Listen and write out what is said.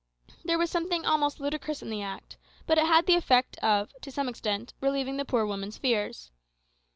There was something almost ludicrous in the act, but it had the effect of, to some extent, relieving the poor woman's fears.